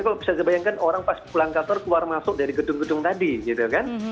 kalau bisa dibayangkan orang pas pulang kantor keluar masuk dari gedung gedung tadi gitu kan